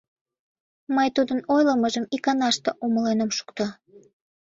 — Мый тудын ойлымыжым иканаште умылен ом шукто.